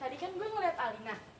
tadi kan gue ngeliat alina